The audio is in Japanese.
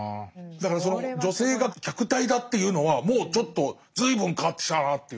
だからその女性が客体だっていうのはもうちょっと随分変わってきたなという。